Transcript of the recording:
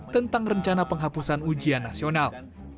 tentang rencana penghapusan ujian nasional